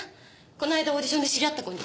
この間オーディションで知り合った子に。